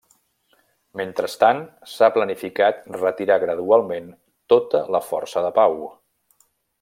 Mentrestant, s'ha planificat retirar gradualment tota la força de pau.